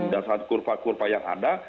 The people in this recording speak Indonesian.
dasar kurva kurva yang ada